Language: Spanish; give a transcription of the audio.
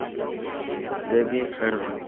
Debbie Herring.